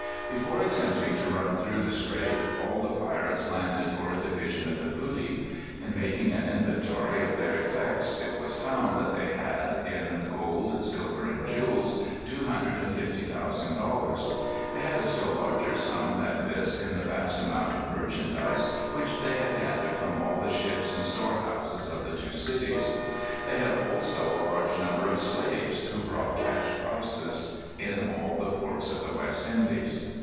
Before attempting to run through the strait, all the pirates landed for a division of the booty. In making an inventory of their effects it was found that they had, in gold, silver, and jewels, two hundred and fifty thousand dollars. They had a still larger sum than this in the vast amount of merchandise which they had gathered from all the ships and store houses of the two cities. They had also a large number of slaves, who brought cash prices in all the ports of the West Indies.